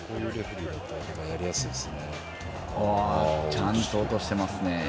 ちゃんと落としてますね。